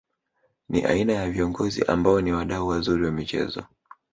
Ni aina ya viongozi ambao ni wadau wazuri wa michezo